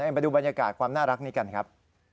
มาดูบรรยากาศความน่ารักนี้กันครับ